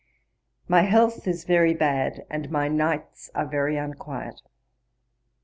'My health is very bad, and my nights are very unquiet.